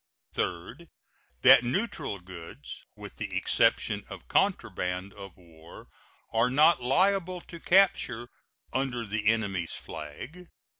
Third. That neutral goods, with the exception of contraband of war, are not liable to capture under the enemy's flag.